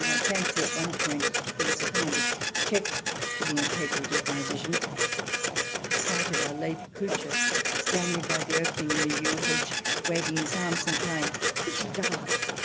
I fancy at one point there was a kind of check to the integrity of my vision — the sight of our late Kutscher, standing by the opening in the yew hedge, waving his arms, and crying, " Nicht da